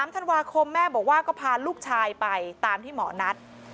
๓ธันวาคมแม่บอกว่าก็พาลูกชายไปตามที่หมอนัด